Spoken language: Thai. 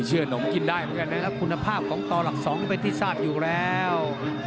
เชื่อนมกินได้คุณภาพของต่อหลัก๒เป็นทิศาสตร์อยู่แล้ว